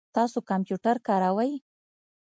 تاسو کمپیوټر کاروئ؟